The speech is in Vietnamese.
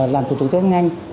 làm thủ tục rất nhanh